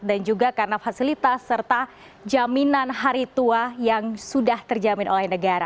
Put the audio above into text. dan juga karena fasilitas serta jaminan hari tua yang sudah terjamin oleh negara